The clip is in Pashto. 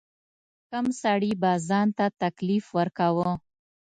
کم سړي به ځان ته تکلیف ورکاوه.